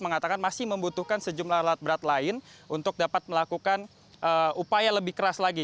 mengatakan masih membutuhkan sejumlah alat berat lain untuk dapat melakukan upaya lebih keras lagi